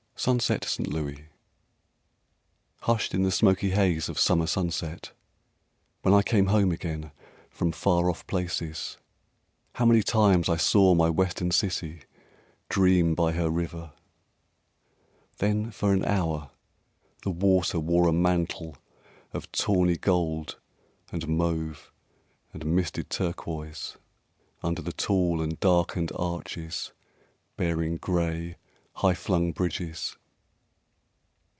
Sunset: St. Louis Hushed in the smoky haze of summer sunset, When I came home again from far off places, How many times I saw my western city Dream by her river. Then for an hour the water wore a mantle Of tawny gold and mauve and misted turquoise Under the tall and darkened arches bearing Gray, high flung bridges.